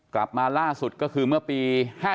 กลับมาล่าสุดก็คือเมื่อปี๕๗